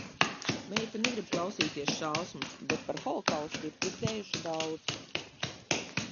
Meita negrib klausīties šausmas, bet par holokaustu ir dzirdējuši daudz.